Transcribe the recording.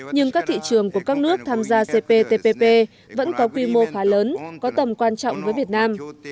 nhưng các thị trường của các nước tham gia cptpp vẫn có quy mô khá lớn có tầm quan trọng với việt nam